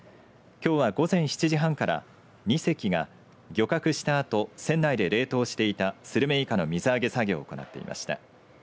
きょうは午前７時半から２隻が漁獲したあと、船内で冷凍していたスルメイカの水揚げ作業を行っていました。